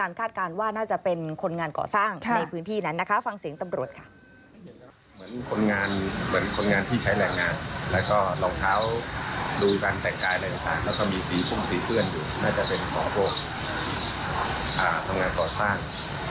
รองเท้าดูกันแตกกายอะไรอย่างต่างแล้วก็มีสีพุ่งสีเพื่อนอยู่น่าจะเป็นของพวกทำงานต่อสร้าง